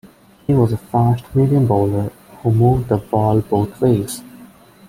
He was a fast medium bowler who moved the ball both ways.